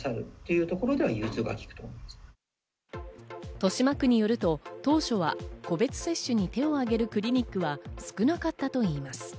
豊島区によると当初は個別接種に手を挙げるクリニックは少なかったといいます。